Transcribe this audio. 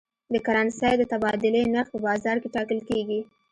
د کرنسۍ د تبادلې نرخ په بازار کې ټاکل کېږي.